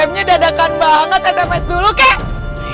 grabnya dadakan banget sms dulu kek